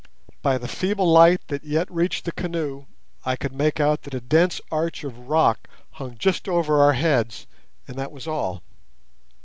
By the feeble light that yet reached the canoe, I could make out that a dense arch of rock hung just over our heads, and that was all.